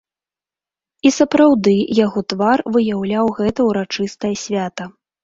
І сапраўды, яго твар выяўляў гэта ўрачыстае свята.